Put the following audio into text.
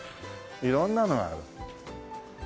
色んなのがある。